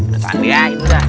tahan dia itu dah